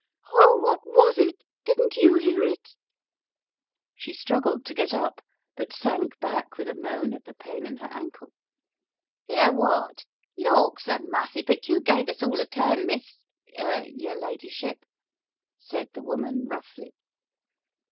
"Oh, what was it? Didn't you hear it?" She struggled to get up, but sank back with a moan at the pain in her ankle. "Hear what? Lawks o'mussy, but you gave us all a turn, Miss — yer ladyship," said the woman roughly.